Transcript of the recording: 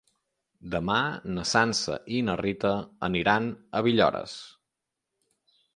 Demà na Sança i na Rita aniran a Villores.